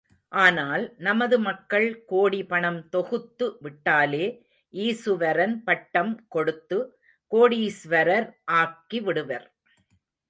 ஆனால், நமது மக்கள் கோடி பணம் தொகுத்து விட்டாலே ஈசுவரன் பட்டம் கொடுத்து, கோடீசுவரர் ஆக்கிவிடுவர்!